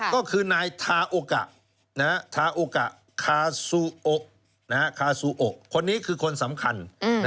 ก็คือนายทาโอกะคาซูโอกคนนี้คือคนสำคัญ